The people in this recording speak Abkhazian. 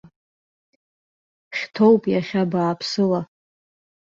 Хьҭоуп иахьа бааԥсыла.